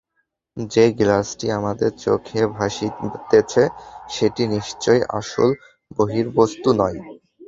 যে গ্লাসটি আমাদের চোখে ভাসিতেছে, সেটি নিশ্চয়ই আসল বহির্বস্তু নয়।